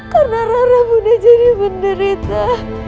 karena rara bunda jadi menderita